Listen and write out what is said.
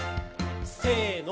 せの。